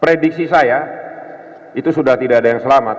prediksi saya itu sudah tidak ada yang selamat